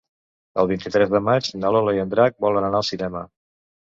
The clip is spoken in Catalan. El vint-i-tres de maig na Lola i en Drac volen anar al cinema.